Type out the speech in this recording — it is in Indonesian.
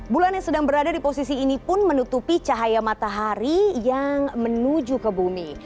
bulan yang sedang berada di posisi ini pun menutupi cahaya matahari yang menuju ke bumi